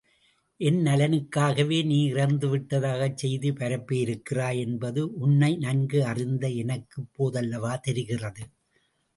என் நலனுக்காகவே நீ இறந்து விட்டதாகச் செய்தி பரப்பியிருக்கிறாய் என்பது உன்னை நன்கு அறிந்த எனக்கு இப்போதல்லவா தெரிகிறது?